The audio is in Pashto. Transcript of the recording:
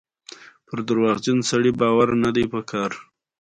ازادي راډیو د کلتور په اړه پرله پسې خبرونه خپاره کړي.